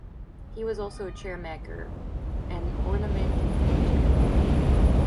He was also a chairmaker and ornamental painter.